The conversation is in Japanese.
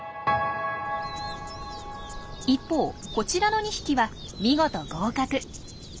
一方こちらの２匹は見事合格。